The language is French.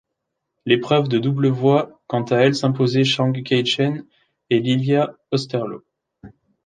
L'épreuve de double voit quant à elle s'imposer Chang Kai-Chen et Lilia Osterloh.